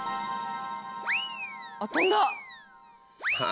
あっ飛んだ！